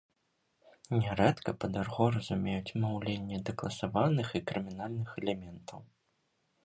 Нярэдка пад арго разумеюць маўленне дэкласаваных і крымінальных элементаў.